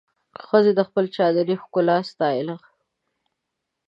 ښځې د خپلې چادري ښکلا ستایله.